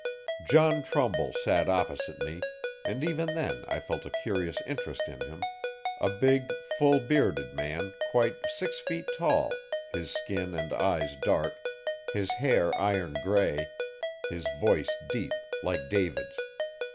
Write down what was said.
John Trumbull sat opposite me, and even then I felt a curious interest in him a big, full bearded man, quite six feet tall, his skin and eyes dark, his hair iron grey, his voice deep like David s.